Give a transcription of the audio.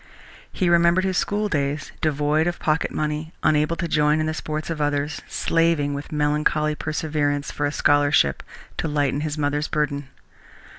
He remembered his schooldays, devoid of pocket money, unable to join in the sports of others, slaving with melancholy perseverance for a scholarship to lighten his mother's burden.